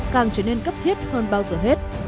càng trở nên cấp thiết hơn bao giờ hết